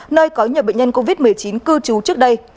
nơi có nhiều bệnh nhân covid một mươi chín cư trú trước đây